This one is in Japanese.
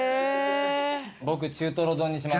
僕中とろ丼にします。